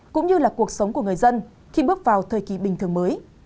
cũng như là cuộc sống của người dân khi bước vào thời kỳ bình thường mới